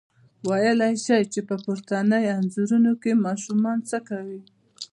ویلای شئ چې په پورتنیو انځورونو کې ماشومان څه کوي؟